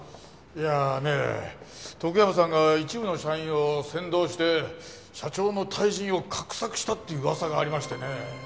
いやね徳山さんが一部の社員を扇動して社長の退陣を画策したって噂がありましてね。